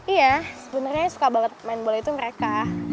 iya sebenarnya suka banget main bola itu mereka